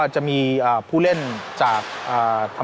ไม่มีพวกมันเกี่ยวกับพวกเรา